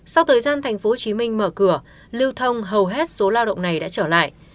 sau thời gian tp hcm mở cửa lưu thông hầu hết số lao động này đã trở lại